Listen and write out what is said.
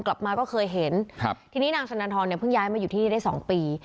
กลับมาก็เคยเห็นครับทีนี้นางสนันทรเนี่ยเพิ่งย้ายมาอยู่ที่นี่ได้สองปี